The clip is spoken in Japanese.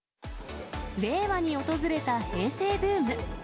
令和に訪れた平成ブーム。